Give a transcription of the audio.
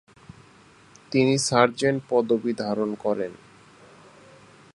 তিনি সার্জেন্ট পদবী ধারণ করেন।